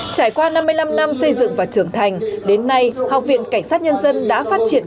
trải qua năm mươi năm năm xây dựng và trưởng thành đến nay học viện cảnh sát nhân dân đã phát triển